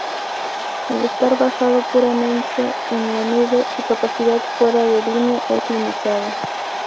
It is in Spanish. Al estar basado puramente en la nube, su capacidad fuera de línea es limitada.